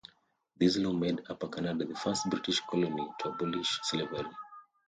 This law made Upper Canada "the first British colony to abolish slavery".